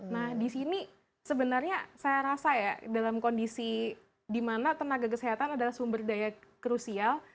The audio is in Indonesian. nah di sini sebenarnya saya rasa ya dalam kondisi di mana tenaga kesehatan adalah sumber daya krusial